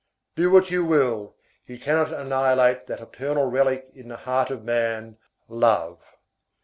Do what you will, you cannot annihilate that eternal relic in the heart of man, love.